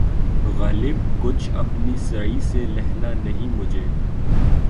غالبؔ! کچھ اپنی سعی سے لہنا نہیں مجھے